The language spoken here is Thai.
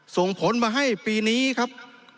ส่งผลมาให้ปีนี้ครับ